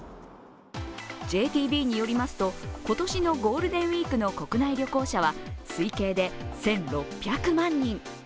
ＪＴＢによりますと、今年のゴールデンウイークの国内旅行者は推計で１６００万人。